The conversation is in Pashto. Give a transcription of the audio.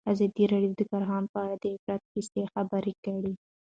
ازادي راډیو د کرهنه په اړه د عبرت کیسې خبر کړي.